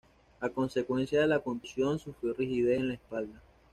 A consecuencia de la contusión sufrió rigidez en la espalda.